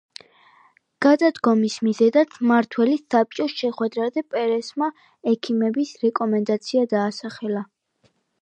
გადადგომის მიზეზად მმართველი საბჭოს შეხვედრაზე პერესმა ექიმების რეკომენდაცია დაასახელა.